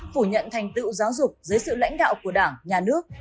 phủ nhận thành tựu giáo dục dưới sự lãnh đạo của đảng nhà nước